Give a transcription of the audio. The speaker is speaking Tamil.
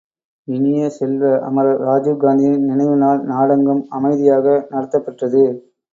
இனிய செல்வ, அமரர் ராஜீவ் காந்தியின் நினைவு நாள் நாடெங்கும் அமைதியாக நடத்தப்பெற்றது.